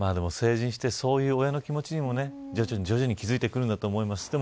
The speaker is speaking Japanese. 成人して、そういう親の気持ちにも徐々に気付いてくるんだと思います。